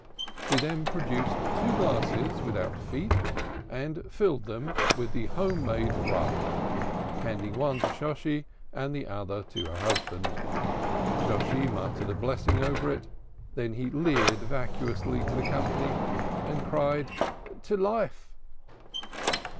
She then produced two glasses without feet and filled them with the home made rum, handing one to Shosshi and the other to her husband. Shosshi muttered a blessing over it, then he leered vacuously at the company and cried, "To life!"